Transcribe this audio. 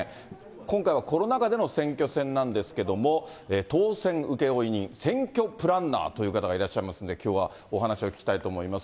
今回はコロナ禍での選挙戦なんですけれども、当選請負人、選挙プランナーという方がいらっしゃいますんで、きょうはお話をお聞きしたいと思います。